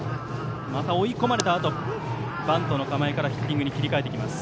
追い込まれたあとバントの構えからヒッティングに切り替えてきます。